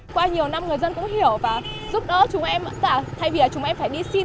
qua nhiều năm người dân cũng hiểu và giúp đỡ chúng em thay vì chúng em phải đi xin